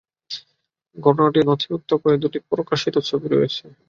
ঘটনাটি নথিভুক্ত করে দুটি প্রকাশিত ছবি রয়েছে।